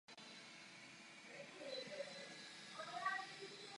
Reprezentoval Československo na třech mistrovství světa a na jedněch olympijských hrách.